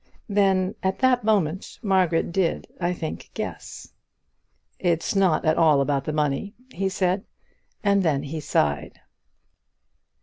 Then, at that moment, Margaret did, I think, guess. "It's not at all about the money," he said, and then he sighed.